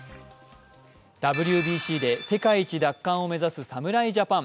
ＷＢＣで、世界一奪還を目指す侍ジャパン。